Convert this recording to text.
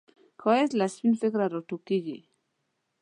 ښایست له سپین فکره راټوکېږي